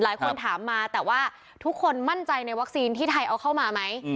หลายคนถามมาแต่ว่าทุกคนมั่นใจในวัคซีนที่ไทยเอาเข้ามาไหม